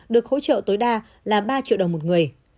được hỗ trợ tối đa là ba triệu đồng một người